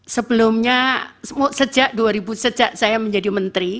sebelumnya sejak dua ribu sejak saya menjadi menteri